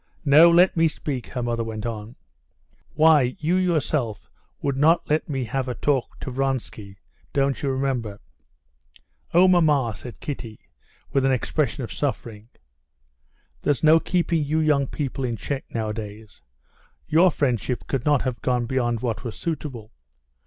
"No, let me speak," her mother went on, "why, you yourself would not let me have a talk to Vronsky. Don't you remember?" "Oh, mamma!" said Kitty, with an expression of suffering. "There's no keeping you young people in check nowadays.... Your friendship could not have gone beyond what was suitable.